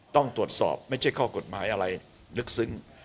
ต้องตรวจสอบไม่ใช่ข้อกฎหมายอะไรลึกซึ้ง